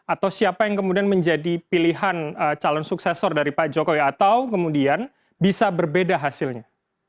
atau siapa yang kemudian menjadi pilihan calon suksesor dari pak jokowi atau kemudian bisa berbeda hasilnya